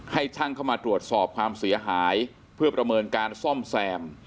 ให้ช่างเข้ามาตรวจสอบความเสียหายเพื่อประเมินการซ่อมแซม